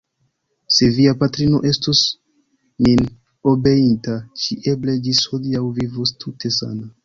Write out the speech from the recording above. Se via patrino estus min obeinta, ŝi eble ĝis hodiaŭ vivus tute sana.